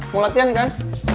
mau latihan kan